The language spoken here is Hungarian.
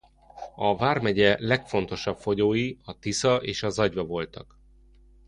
A vármegye legfontosabb folyói a Tisza és a Zagyva voltak.